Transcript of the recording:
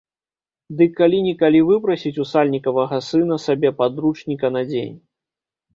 Дык калі-нікалі выпрасіць у сальнікавага сына сабе падручніка на дзень.